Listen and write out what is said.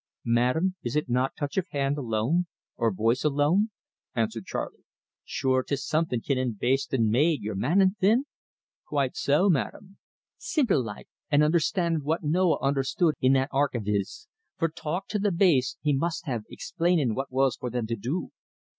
"Madame, it is not touch of hand alone, or voice alone," answered Charley. "Shure, 'tis somethin' kin in baste an' maid, you're manin' thin?" "Quite so, Madame." "Simple like, an' understandin' what Noah understood in that ark av his for talk to the bastes he must have, explainin' what was for thim to do."